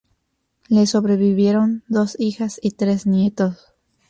Le sobrevivieron dos hijas y tres nietos.